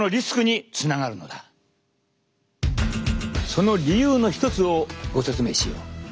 その理由の一つをご説明しよう。